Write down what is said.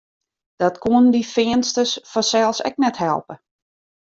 Dat koenen dy Feansters fansels ek net helpe.